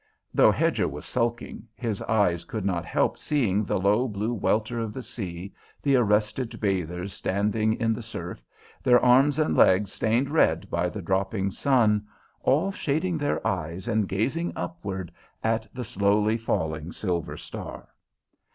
Though Hedger was sulking, his eye could not help seeing the low blue welter of the sea, the arrested bathers, standing in the surf, their arms and legs stained red by the dropping sun, all shading their eyes and gazing upward at the slowly falling silver star.